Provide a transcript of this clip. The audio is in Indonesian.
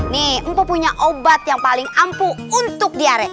nih empuk punya obat yang paling ampuh untuk diare